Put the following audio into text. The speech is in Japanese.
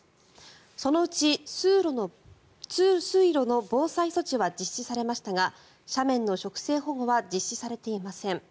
そのうち、水路の防災措置は実施されましたが斜面の植生保護は実施されていません。